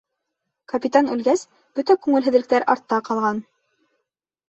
Капитан үлгәс, бөтә күңелһеҙлектәр артта ҡалған.